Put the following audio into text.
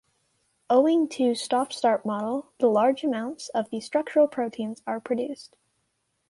Owing to stop-start model, the large amounts of the structural proteins are produced.